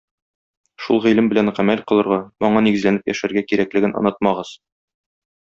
Шул гыйлем белән гамәл кылырга, аңа нигезләнеп яшәргә кирәклеген онытмагыз.